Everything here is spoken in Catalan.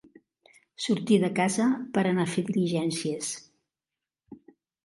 Sortir de casa per anar a fer diligències.